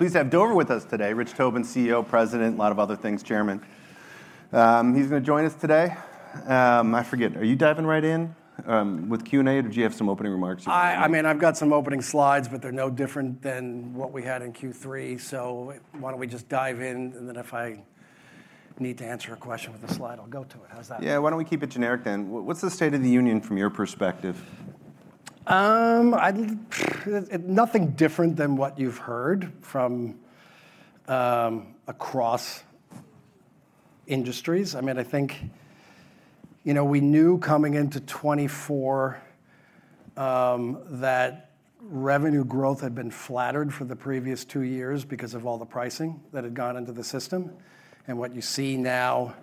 Pleased to have Dover with us today, Rich Tobin, CEO, President, a lot of other things, Chairman. He's going to join us today. I forget, are you diving right in with Q&A? Or did you have some opening remarks? I mean, I've got some opening slides, but they're no different than what we had in Q3. So why don't we just dive in? And then if I need to answer a question with a slide, I'll go to it. How's that? Yeah, why don't we keep it generic then? What's the state of the union from your perspective? Nothing different than what you've heard from across industries. I mean, I think, you know, we knew coming into 2024 that revenue growth had been flattered for the previous two years because of all the pricing that had gone into the system, and what you see now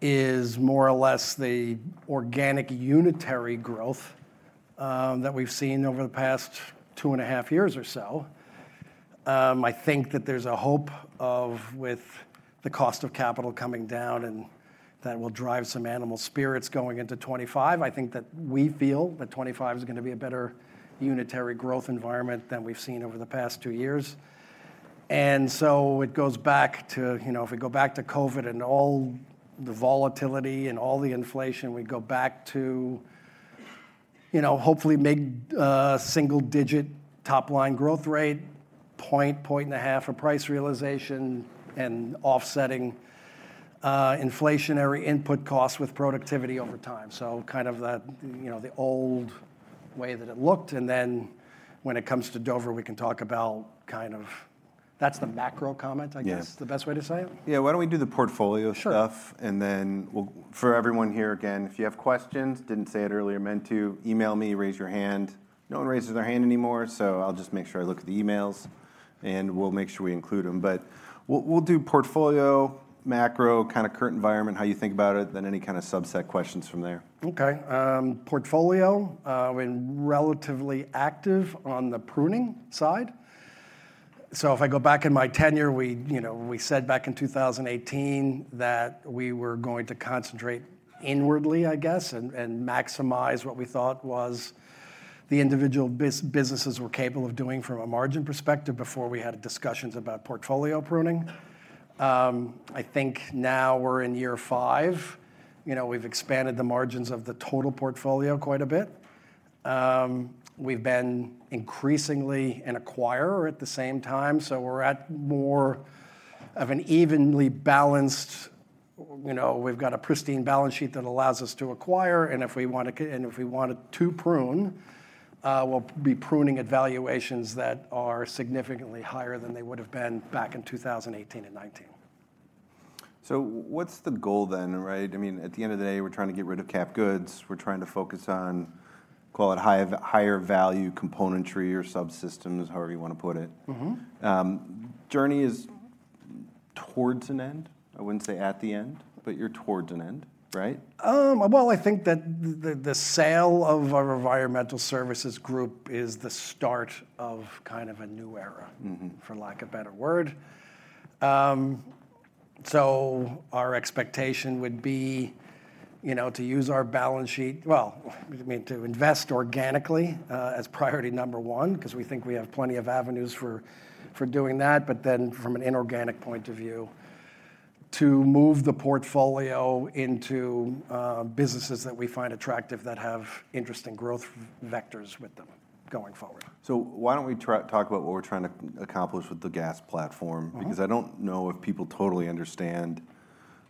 is more or less the organic unitary growth that we've seen over the past two and a half years or so. I think that there's a hope of, with the cost of capital coming down, and that will drive some animal spirits going into 2025. I think that we feel that 2025 is going to be a better unitary growth environment than we've seen over the past two years. And so it goes back to, you know, if we go back to COVID and all the volatility and all the inflation, we go back to, you know, hopefully make a single-digit top-line growth rate, point, point and a half of price realization, and offsetting inflationary input costs with productivity over time. So kind of the, you know, the old way that it looked. And then when it comes to Dover, we can talk about kind of, that's the macro comment, I guess, the best way to say it. Yeah, why don't we do the portfolio stuff, and then for everyone here again, if you have questions, didn't say it earlier, meant to, email me, raise your hand. No one raises their hand anymore, so I'll just make sure I look at the emails and we'll make sure we include them, but we'll do portfolio, macro, kind of current environment, how you think about it, then any kind of subset questions from there. Okay. Portfolio, I've been relatively active on the pruning side. So if I go back in my tenure, we, you know, we said back in 2018 that we were going to concentrate inwardly, I guess, and maximize what we thought was the individual businesses were capable of doing from a margin perspective before we had discussions about portfolio pruning. I think now we're in year five. You know, we've expanded the margins of the total portfolio quite a bit. We've been increasingly an acquirer at the same time. So we're at more of an evenly balanced, you know, we've got a pristine balance sheet that allows us to acquire. And if we want to, and if we want to prune, we'll be pruning at valuations that are significantly higher than they would have been back in 2018 and 2019. So what's the goal then, right? I mean, at the end of the day, we're trying to get rid of cap goods. We're trying to focus on, call it higher value componentry or subsystems, however you want to put it. Journey is towards an end? I wouldn't say at the end, but you're towards an end, right? I think that the sale of our Environmental Services Group is the start of kind of a new era, for lack of a better word. So our expectation would be, you know, to use our balance sheet, well, I mean, to invest organically as priority number one, because we think we have plenty of avenues for doing that. But then from an inorganic point of view, to move the portfolio into businesses that we find attractive that have interesting growth vectors with them going forward. So why don't we talk about what we're trying to accomplish with the gas platform? Because I don't know if people totally understand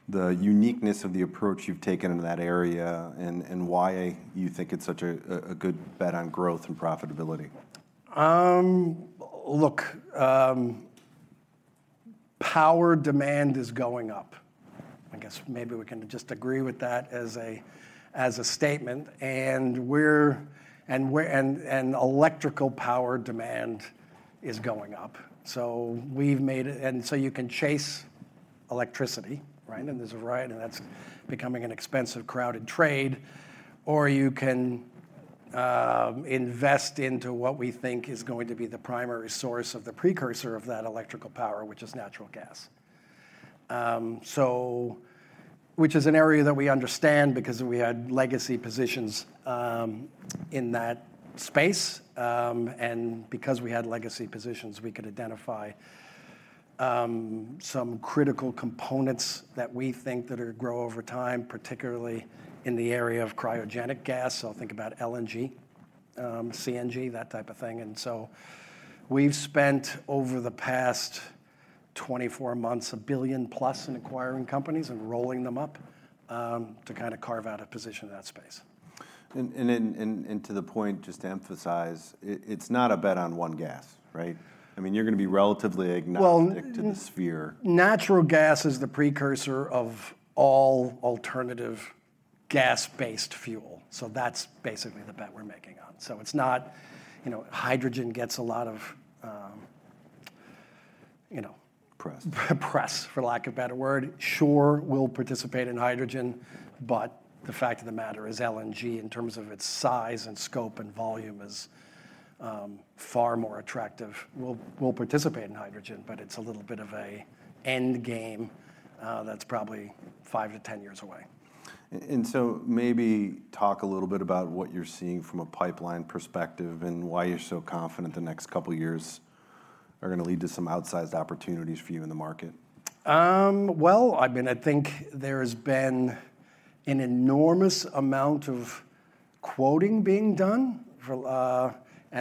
the uniqueness of the approach you've taken in that area and why you think it's such a good bet on growth and profitability. Look, power demand is going up. I guess maybe we can just agree with that as a statement, and electrical power demand is going up, so we've made, and so you can chase electricity, right, and there's a variety, and that's becoming an expensive, crowded trade, or you can invest into what we think is going to be the primary source of the precursor of that electrical power, which is natural gas, so which is an area that we understand because we had legacy positions in that space, and because we had legacy positions, we could identify some critical components that we think are grow over time, particularly in the area of cryogenic gas, so think about LNG, CNG, that type of thing. And so we've spent over the past 24 months $1 billion plus in acquiring companies and rolling them up to kind of carve out a position in that space. To the point, just to emphasize, it's not a bet on one gas, right? I mean, you're going to be relatively agnostic to the sphere. Well, natural gas is the precursor of all alternative gas-based fuel. So that's basically the bet we're making on. So it's not, you know, hydrogen gets a lot of, you know. Press. Press, for lack of a better word. Shore will participate in hydrogen, but the fact of the matter is LNG in terms of its size and scope and volume is far more attractive. We'll participate in hydrogen, but it's a little bit of an end game that's probably five to 10 years away. And so maybe talk a little bit about what you're seeing from a pipeline perspective and why you're so confident the next couple of years are going to lead to some outsized opportunities for you in the market. I mean, I think there has been an enormous amount of quoting being done.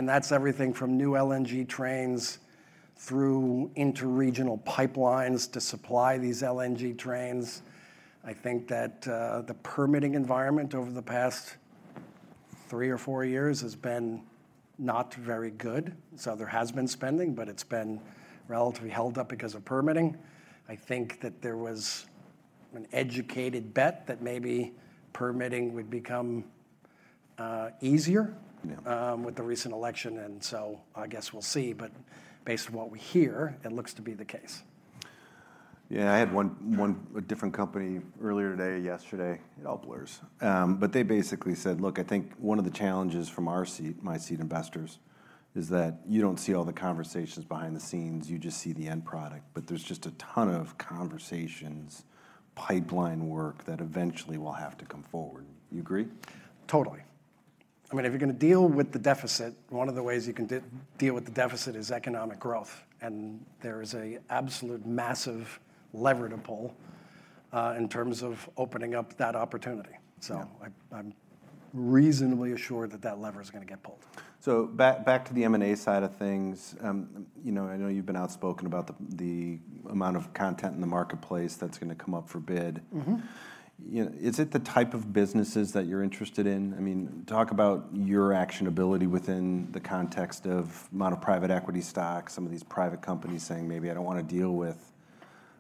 That's everything from new LNG trains through interregional pipelines to supply these LNG trains. I think that the permitting environment over the past three or four years has been not very good. There has been spending, but it's been relatively held up because of permitting. I think that there was an educated bet that maybe permitting would become easier with the recent election. I guess we'll see. Based on what we hear, it looks to be the case. Yeah, I had one different company earlier today, yesterday; it all blurs. But they basically said, look, I think one of the challenges from our seat, my seat investors, is that you don't see all the conversations behind the scenes; you just see the end product. But there's just a ton of conversations, pipeline work that eventually will have to come forward. You agree? Totally. I mean, if you're going to deal with the deficit, one of the ways you can deal with the deficit is economic growth. And there is an absolute massive lever to pull in terms of opening up that opportunity. So I'm reasonably assured that that lever is going to get pulled. Back to the M&A side of things. You know, I know you've been outspoken about the amount of content in the marketplace that's going to come up for bid. Is it the type of businesses that you're interested in? I mean, talk about your actionability within the context of a lot of private equity shops, some of these private companies saying maybe I don't want to deal with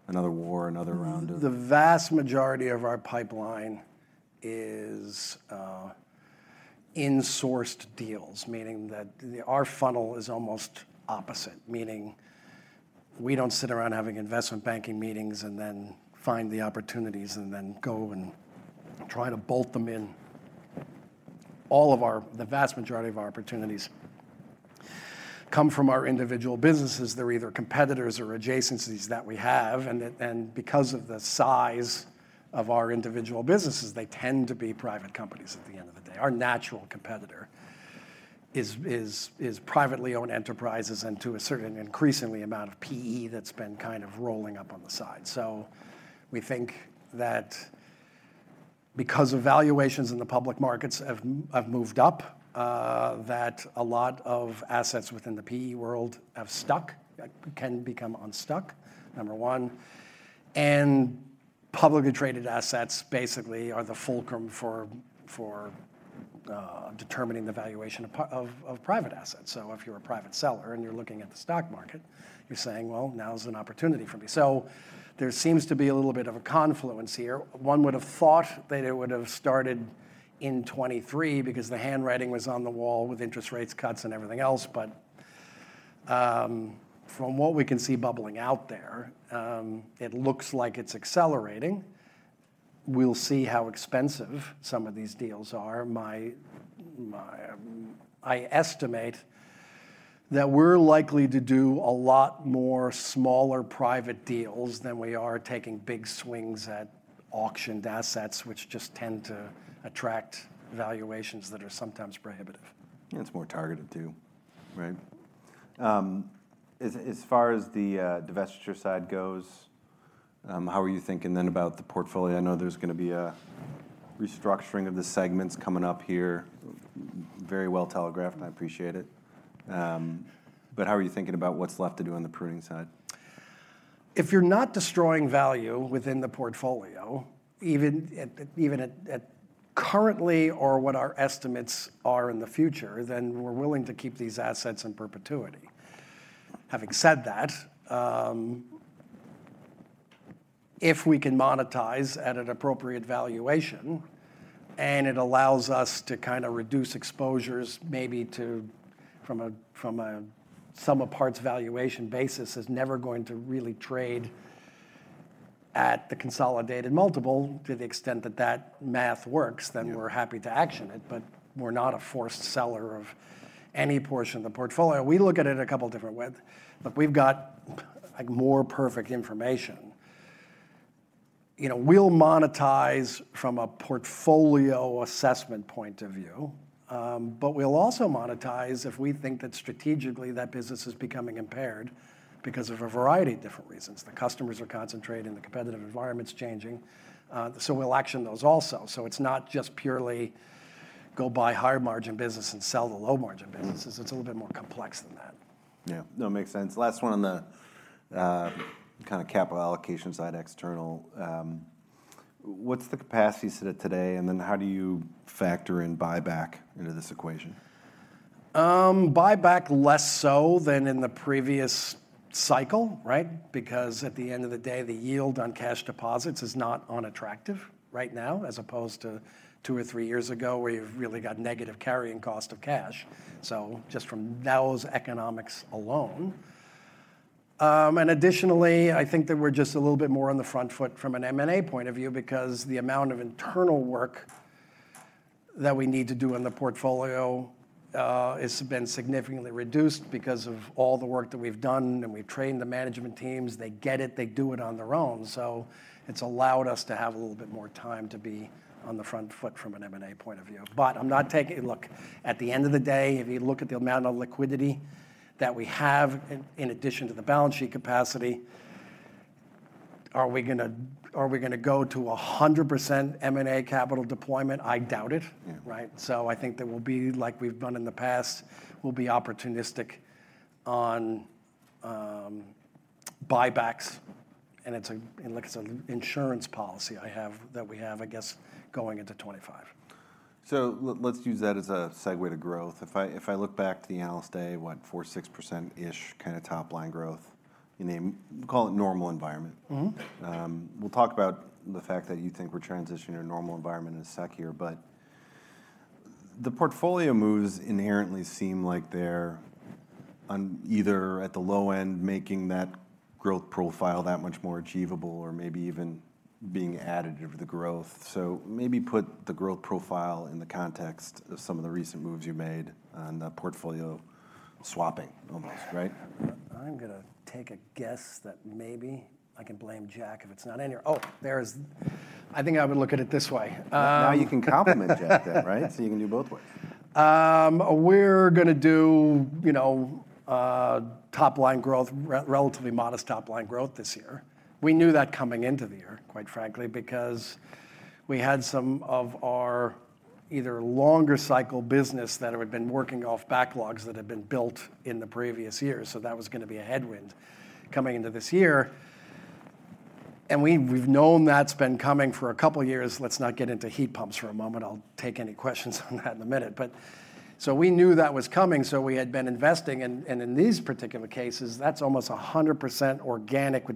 another war, another round of. The vast majority of our pipeline is in-sourced deals, meaning that our funnel is almost opposite, meaning we don't sit around having investment banking meetings and then find the opportunities and then go and try to bolt them in. All of our, the vast majority of our opportunities come from our individual businesses. They're either competitors or adjacencies that we have. And because of the size of our individual businesses, they tend to be private companies at the end of the day. Our natural competitor is privately owned enterprises and to a certain increasingly amount of PE that's been kind of rolling up on the side. So we think that because of valuations in the public markets have moved up, that a lot of assets within the PE world have stuck, can become unstuck, number one. And publicly traded assets basically are the fulcrum for determining the valuation of private assets. So if you're a private seller and you're looking at the stock market, you're saying, well, now's an opportunity for me. So there seems to be a little bit of a confluence here. One would have thought that it would have started in 2023 because the handwriting was on the wall with interest rate cuts and everything else. But from what we can see bubbling out there, it looks like it's accelerating. We'll see how expensive some of these deals are. I estimate that we're likely to do a lot more smaller private deals than we are taking big swings at auctioned assets, which just tend to attract valuations that are sometimes prohibitive. And it's more targeted too, right? As far as the divestiture side goes, how are you thinking then about the portfolio? I know there's going to be a restructuring of the segments coming up here, very well telegraphed. I appreciate it. But how are you thinking about what's left to do on the pruning side? If you're not destroying value within the portfolio, even at currently or what our estimates are in the future, then we're willing to keep these assets in perpetuity. Having said that, if we can monetize at an appropriate valuation and it allows us to kind of reduce exposures maybe to from a some parts valuation basis, is never going to really trade at the consolidated multiple to the extent that that math works, then we're happy to action it. But we're not a forced seller of any portion of the portfolio. We look at it a couple of different ways. But we've got more perfect information. You know, we'll monetize from a portfolio assessment point of view, but we'll also monetize if we think that strategically that business is becoming impaired because of a variety of different reasons. The customers are concentrating, the competitive environment's changing. So we'll action those also. So it's not just purely go buy high margin business and sell the low margin businesses. It's a little bit more complex than that. Yeah, no, makes sense. Last one on the kind of capital allocation side, external. What's the capacity set at today? And then how do you factor in buyback into this equation? Buyback less so than in the previous cycle, right? Because at the end of the day, the yield on cash deposits is not unattractive right now, as opposed to two or three years ago where you've really got negative carrying cost of cash, so just from those economics alone, and additionally, I think that we're just a little bit more on the front foot from an M&A point of view because the amount of internal work that we need to do in the portfolio has been significantly reduced because of all the work that we've done and we've trained the management teams. They get it, they do it on their own, so it's allowed us to have a little bit more time to be on the front foot from an M&A point of view. But I'm not taking, look, at the end of the day, if you look at the amount of liquidity that we have in addition to the balance sheet capacity, are we going to go to 100% M&A capital deployment? I doubt it, right? So I think that we'll be like we've done in the past, we'll be opportunistic on buybacks. And it's an insurance policy that we have, I guess, going into 2025. So let's use that as a segue to growth. If I look back to the Analyst Day, what 4%-6%-ish kind of top line growth you name it, call it normal environment. We'll talk about the fact that you think we're transitioning to a normal environment in a sec here. But the portfolio moves inherently seem like they're either at the low end, making that growth profile that much more achievable or maybe even being additive to the growth. So maybe put the growth profile in the context of some of the recent moves you made on the portfolio swapping almost, right? I'm going to take a guess that maybe I can blame Jack if it's not in here. Oh, there is. I think I would look at it this way. Now you can compliment Jack then, right? So you can do both ways. We're going to do, you know, top line growth, relatively modest top line growth this year. We knew that coming into the year, quite frankly, because we had some of our either longer cycle business that had been working off backlogs that had been built in the previous year. So that was going to be a headwind coming into this year. And we've known that's been coming for a couple of years. Let's not get into heat pumps for a moment. I'll take any questions on that in a minute. But so we knew that was coming. So we had been investing. And in these particular cases, that's almost 100% organic with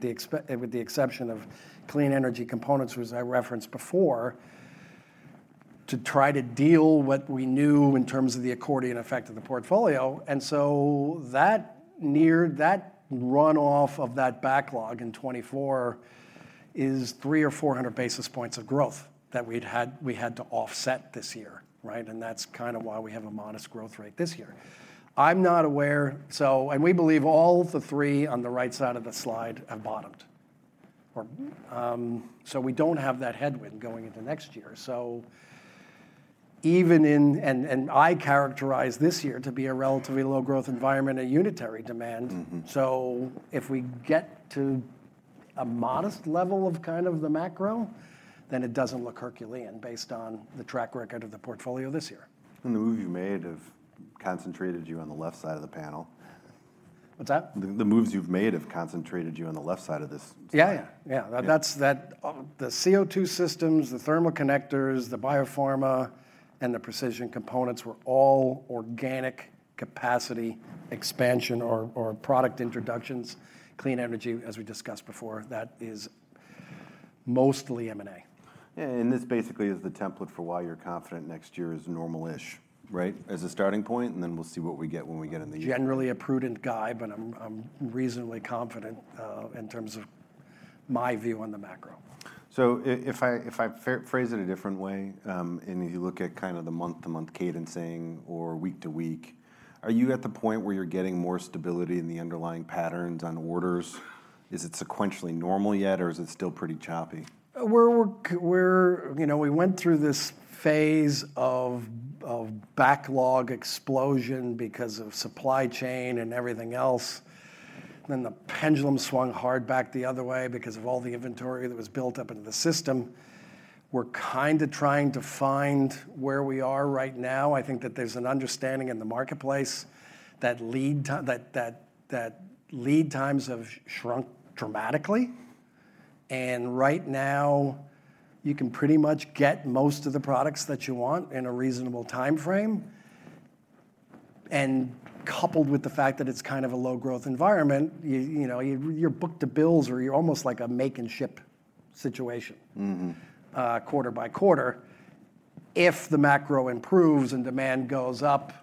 the exception of clean energy components, which I referenced before, to try to deal what we knew in terms of the accordion effect of the portfolio. That runoff of that backlog in 2024 is three or four hundred basis points of growth that we had to offset this year, right? And that's kind of why we have a modest growth rate this year. I'm not aware. We believe all the three on the right side of the slide have bottomed. We don't have that headwind going into next year. Even in, I characterize this year to be a relatively low growth environment and unitary demand. If we get to a modest level of kind of the macro, then it doesn't look Herculean based on the track record of the portfolio this year. The moves you made have concentrated you on the left side of the panel. What's that? The moves you've made have concentrated you on the left side of this panel. Yeah, yeah, yeah. The CO2 systems, the thermal connectors, the biopharma, and the Precision Components were all organic capacity expansion or product introductions. Clean energy, as we discussed before, that is mostly M&A. This basically is the template for why you're confident next year is normal-ish, right? As a starting point, and then we'll see what we get when we get in the year. Generally a prudent guy, but I'm reasonably confident in terms of my view on the macro. So if I phrase it a different way, and you look at kind of the month-to-month cadencing or week-to-week, are you at the point where you're getting more stability in the underlying patterns on orders? Is it sequentially normal yet, or is it still pretty choppy? We went through this phase of backlog explosion because of supply chain and everything else. Then the pendulum swung hard back the other way because of all the inventory that was built up into the system. We're kind of trying to find where we are right now. I think that there's an understanding in the marketplace that lead times have shrunk dramatically. And right now, you can pretty much get most of the products that you want in a reasonable timeframe. And coupled with the fact that it's kind of a low growth environment, you know, you're book-to-bill or you're almost like a make and ship situation quarter by quarter. If the macro improves and demand goes up,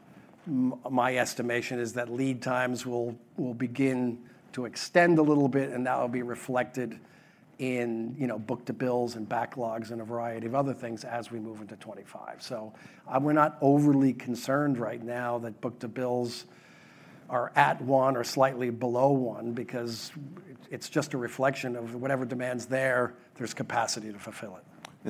my estimation is that lead times will begin to extend a little bit, and that will be reflected in book-to-bills and backlogs and a variety of other things as we move into 2025, so we're not overly concerned right now that book-to-bills are at one or slightly below one because it's just a reflection of whatever demand's there, there's capacity to fulfill it.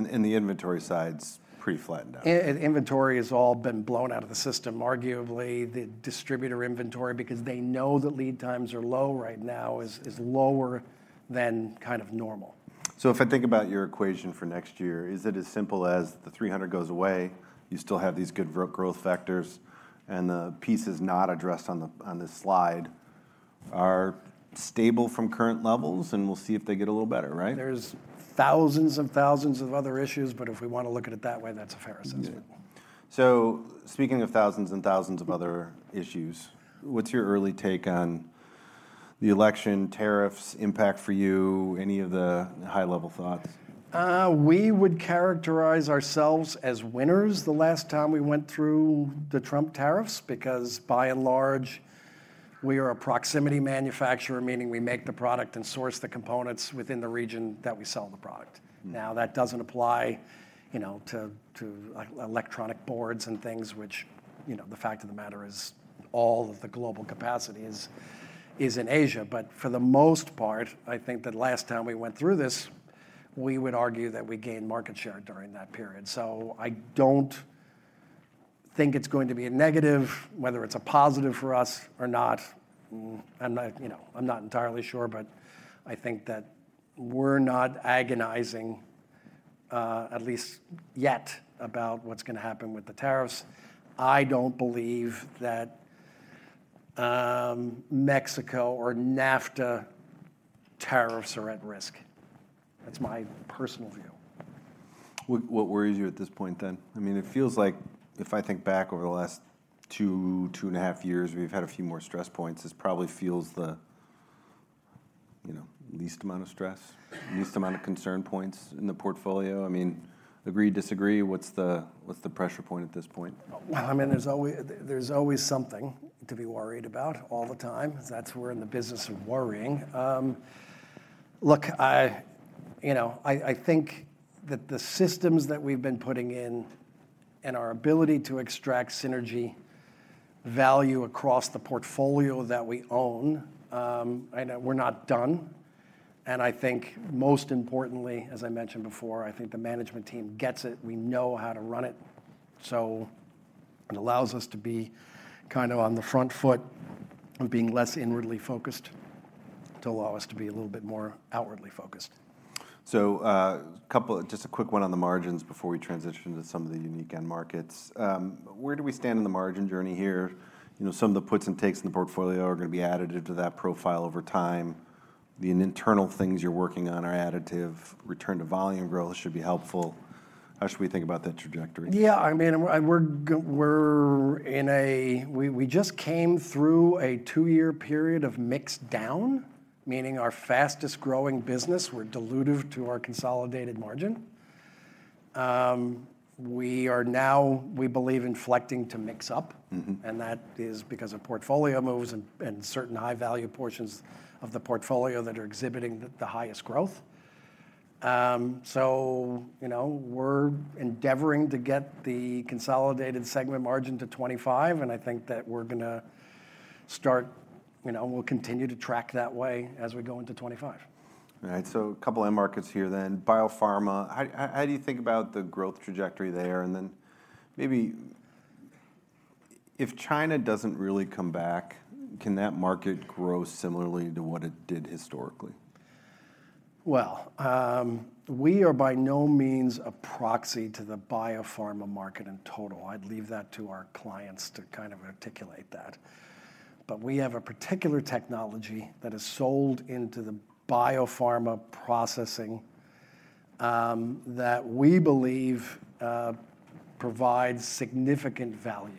The inventory side's pretty flattened out. Inventory has all been blown out of the system. Arguably, the distributor inventory, because they know that lead times are low right now, is lower than kind of normal. So if I think about your equation for next year, is it as simple as the 300 goes away, you still have these good growth factors, and the pieces not addressed on this slide are stable from current levels, and we'll see if they get a little better, right? There's thousands and thousands of other issues, but if we want to look at it that way, that's a fair assessment. Speaking of thousands and thousands of other issues, what's your early take on the election tariffs' impact for you? Any of the high-level thoughts? We would characterize ourselves as winners the last time we went through the Trump tariffs because by and large, we are a proximity manufacturer, meaning we make the product and source the components within the region that we sell the product. Now, that doesn't apply, you know, to electronic boards and things, which, you know, the fact of the matter is all of the global capacity is in Asia. But for the most part, I think that last time we went through this, we would argue that we gained market share during that period. So I don't think it's going to be a negative, whether it's a positive for us or not. I'm not entirely sure, but I think that we're not agonizing, at least yet, about what's going to happen with the tariffs. I don't believe that Mexico or NAFTA tariffs are at risk. That's my personal view. What worries you at this point then? I mean, it feels like if I think back over the last two, two and a half years, we've had a few more stress points. This probably feels the least amount of stress, least amount of concern points in the portfolio. I mean, agree, disagree, what's the pressure point at this point? I mean, there's always something to be worried about all the time. That's what we're in the business of worrying. Look, you know, I think that the systems that we've been putting in and our ability to extract synergy value across the portfolio that we own. We're not done. I think most importantly, as I mentioned before, I think the management team gets it. We know how to run it. It allows us to be kind of on the front foot and being less inwardly focused to allow us to be a little bit more outwardly focused. So just a quick one on the margins before we transition to some of the unique end markets. Where do we stand in the margin journey here? You know, some of the puts and takes in the portfolio are going to be additive to that profile over time. The internal things you're working on are additive. Return to volume growth should be helpful. How should we think about that trajectory? Yeah, I mean, we're in a, we just came through a two-year period of mix down, meaning our fastest growing business, we're diluted to our consolidated margin. We are now, we believe, inflecting to mix up. And that is because of portfolio moves and certain high-value portions of the portfolio that are exhibiting the highest growth. So, you know, we're endeavoring to get the consolidated segment margin to 2025. And I think that we're going to start, you know, we'll continue to track that way as we go into 2025. All right. So a couple of end markets here then. Biopharma, how do you think about the growth trajectory there? And then maybe if China doesn't really come back, can that market grow similarly to what it did historically? We are by no means a proxy to the biopharma market in total. I'd leave that to our clients to kind of articulate that. But we have a particular technology that is sold into the biopharma processing that we believe provides significant value.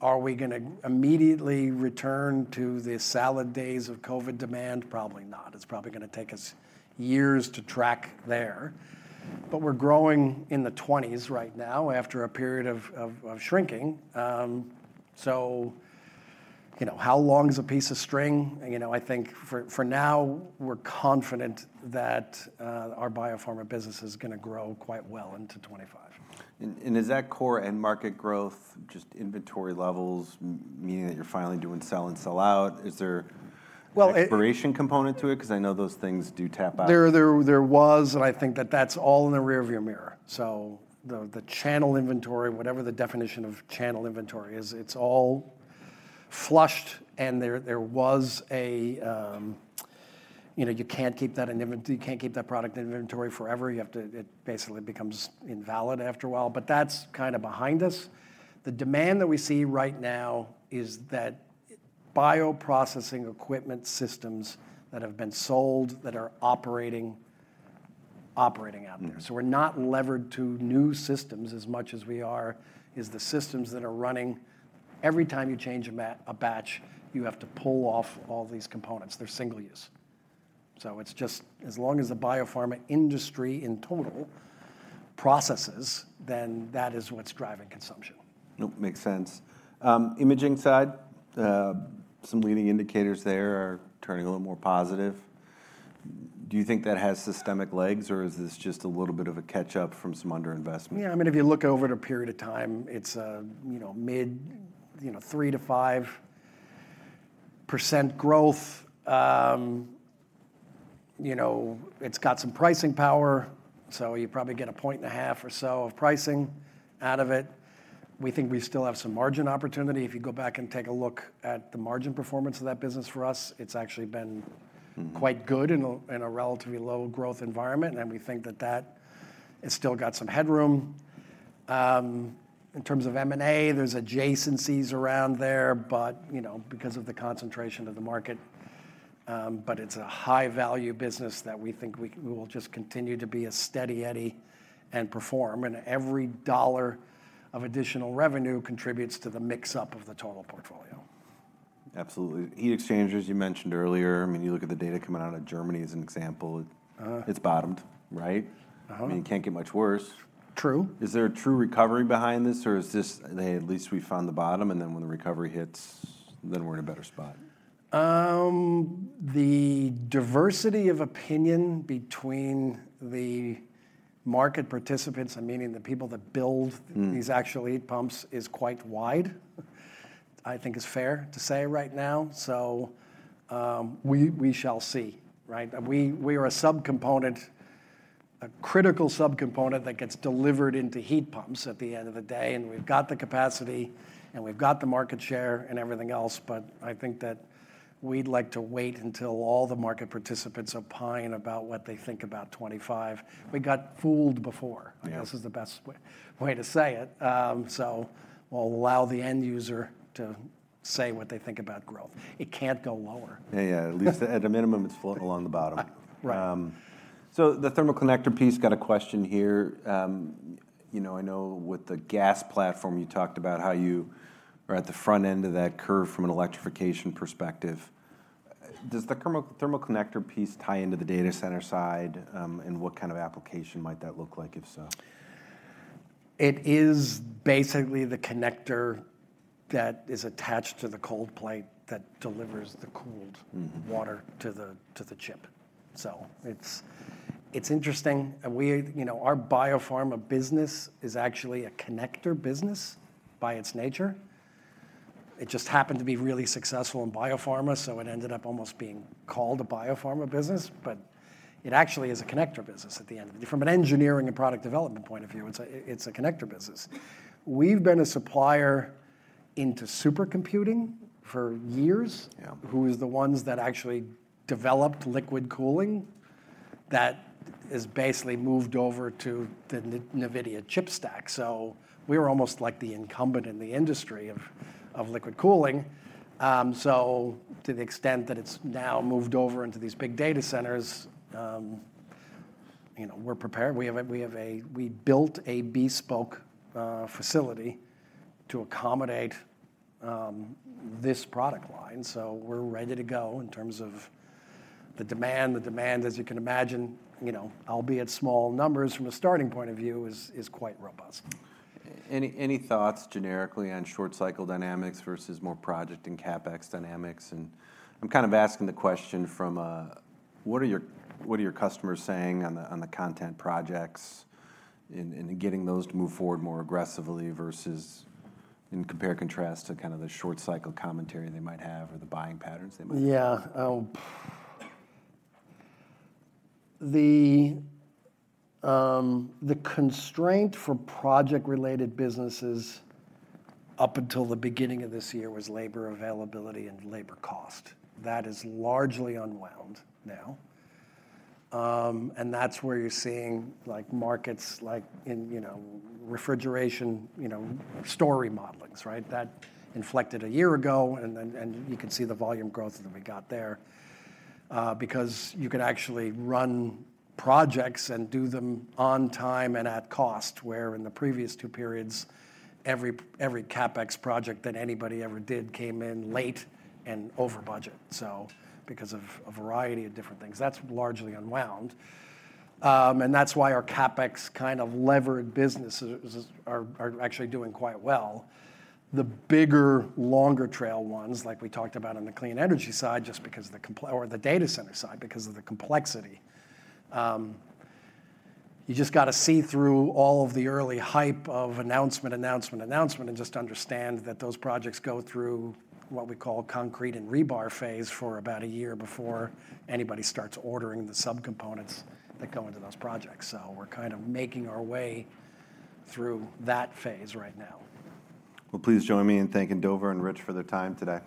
Are we going to immediately return to the solid days of COVID demand? Probably not. It's probably going to take us years to track there. But we're growing in the 20s right now after a period of shrinking. So, you know, how long is a piece of string? You know, I think for now, we're confident that our biopharma business is going to grow quite well into 2025. Is that core end market growth just inventory levels, meaning that you're finally doing sell-in and sell-out? Is there an expansion component to it? Because I know those things do tap out. There was, and I think that that's all in the rearview mirror, so the channel inventory, whatever the definition of channel inventory is, it's all flushed, and there was a, you know, you can't keep that in, you can't keep that product in inventory forever. You have to, it basically becomes invalid after a while, but that's kind of behind us. The demand that we see right now is that bioprocessing equipment systems that have been sold that are operating, operating out there, so we're not levered to new systems as much as we are as the systems that are running. Every time you change a batch, you have to pull off all these components. They're single use, so it's just as long as the biopharma industry in total processes, then that is what's driving consumption. Nope, makes sense. Imaging side, some leading indicators there are turning a little more positive. Do you think that has systemic legs, or is this just a little bit of a catch-up from some underinvestment? Yeah, I mean, if you look over at a period of time, it's, you know, mid 3-5% growth. You know, it's got some pricing power. So you probably get a point and a half or so of pricing out of it. We think we still have some margin opportunity. If you go back and take a look at the margin performance of that business for us, it's actually been quite good in a relatively low growth environment, and we think that has still got some headroom. In terms of M&A, there's adjacencies around there, but, you know, because of the concentration of the market. But it's a high-value business that we think we will just continue to be a steady eddy and perform. And every dollar of additional revenue contributes to the mix-up of the total portfolio. Absolutely. Heat exchangers you mentioned earlier. I mean, you look at the data coming out of Germany as an example. It's bottomed, right? I mean, it can't get much worse. True. Is there a true recovery behind this, or is this at least we found the bottom, and then when the recovery hits, then we're in a better spot? The diversity of opinion between the market participants, I mean the people that build these actual heat pumps, is quite wide. I think it's fair to say right now, so we shall see, right? We are a subcomponent, a critical subcomponent that gets delivered into heat pumps at the end of the day, and we've got the capacity, and we've got the market share and everything else, but I think that we'd like to wait until all the market participants opine about what they think about 2025. We got fooled before. This is the best way to say it, so we'll allow the end user to say what they think about growth. It can't go lower. Yeah, yeah. At least at a minimum, it's flown along the bottom. Right. So, the thermal connector piece. Got a question here. You know, I know with the gas platform, you talked about how you are at the front end of that curve from an electrification perspective. Does the thermal connector piece tie into the data center side, and what kind of application might that look like if so? It is basically the connector that is attached to the cold plate that delivers the cooled water to the chip. So it's interesting. You know, our biopharma business is actually a connector business by its nature. It just happened to be really successful in biopharma, so it ended up almost being called a biopharma business. But it actually is a connector business at the end of the day. From an engineering and product development point of view, it's a connector business. We've been a supplier into supercomputing for years, who are the ones that actually developed liquid cooling that has basically moved over to the NVIDIA chip stack. So we were almost like the incumbent in the industry of liquid cooling. So to the extent that it's now moved over into these big data centers, you know, we're prepared. We built a bespoke facility to accommodate this product line. So we're ready to go in terms of the demand. The demand, as you can imagine, you know, albeit small numbers from a starting point of view, is quite robust. Any thoughts generically on short-cycle dynamics versus more project and CapEx dynamics? And I'm kind of asking the question from a, what are your customers saying on the content projects and getting those to move forward more aggressively versus in compare and contrast to kind of the short-cycle commentary they might have or the buying patterns they might have? Yeah. The constraint for project-related businesses up until the beginning of this year was labor availability and labor cost. That is largely unwound now. And that's where you're seeing markets like in, you know, refrigeration, you know, store remodelings, right? That inflected a year ago, and you can see the volume growth that we got there because you can actually run projects and do them on time and at cost, where in the previous two periods, every CapEx project that anybody ever did came in late and over budget. So because of a variety of different things, that's largely unwound. And that's why our CapEx kind of levered businesses are actually doing quite well. The bigger, longer-tail ones, like we talked about on the clean energy side, just because of the data center side, because of the complexity, you just got to see through all of the early hype of announcement, announcement, announcement, and just understand that those projects go through what we call concrete and rebar phase for about a year before anybody starts ordering the subcomponents that go into those projects. So we're kind of making our way through that phase right now. Well, please join me in thanking Dover and Rich for their time today.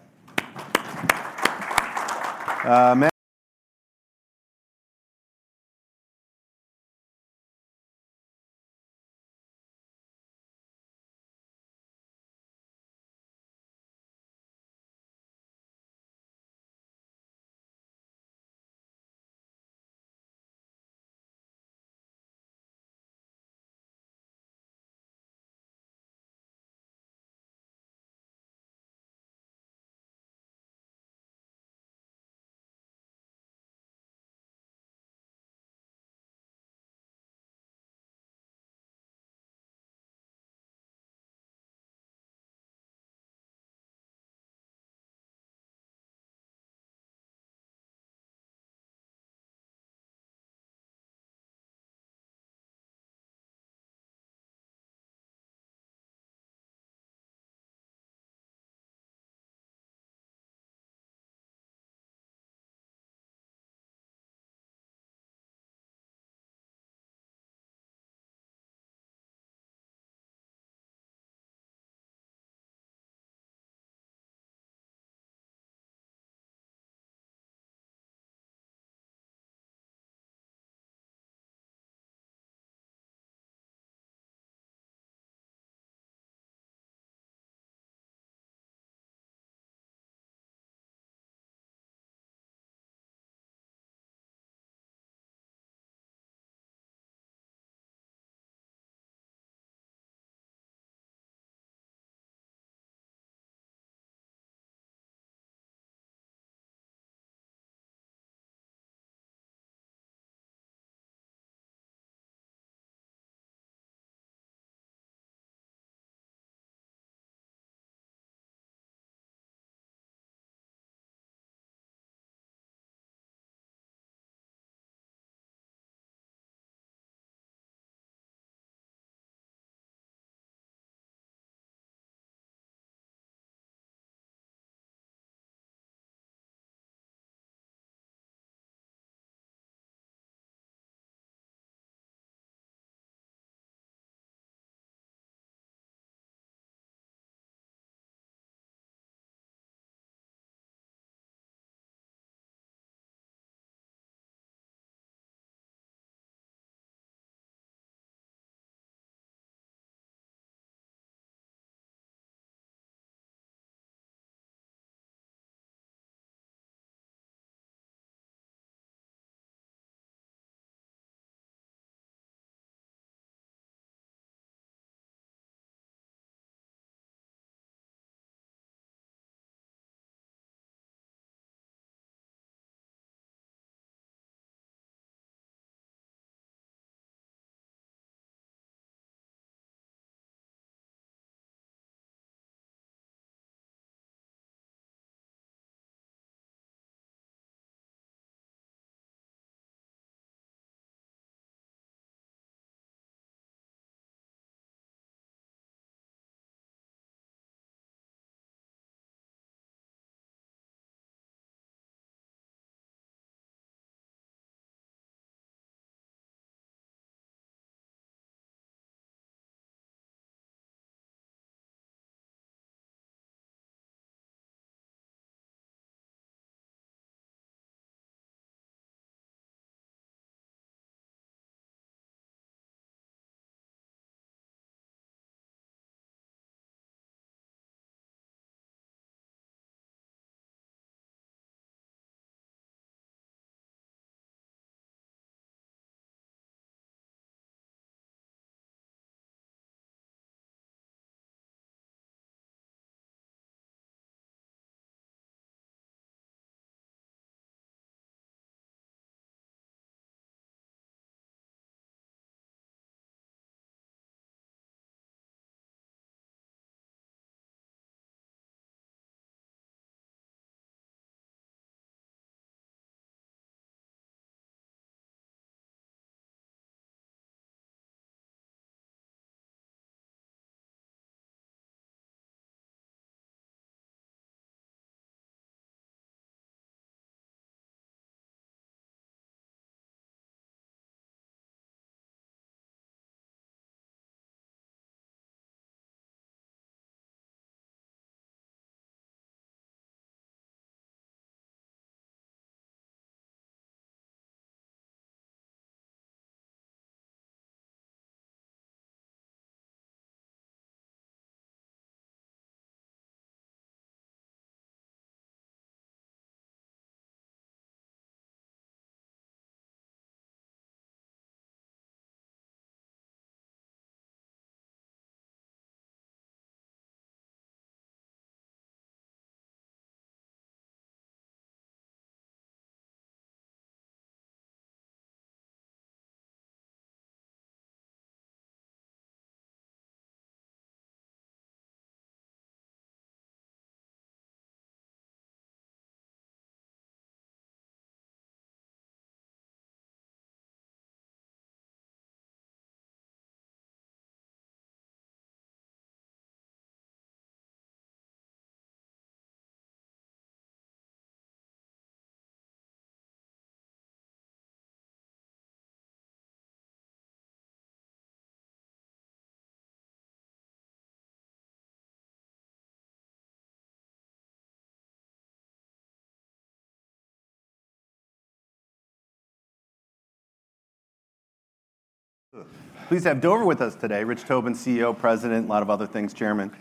Pleased to have Dover with us today, Rich Tobin, CEO, President, a lot of other things, Chairman.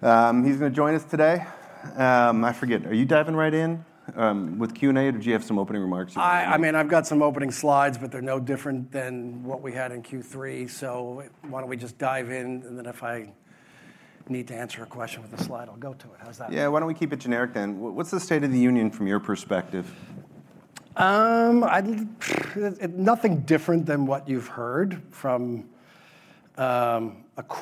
He's going to join us today. I forget, are you diving right in with Q&A, or do you have some opening remarks? I mean, I've got some opening slides, but they're no different than what we had in Q3. So why don't we just dive in? And then if I need to answer a question with a slide, I'll go to it. How's that? Yeah, why don't we keep it generic then? What's the state of the union from your perspective? Nothing different than what you've heard from a.